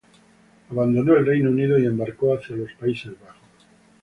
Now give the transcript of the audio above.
Abandonó el Reino Unido y embarcó hacia los Países Bajos.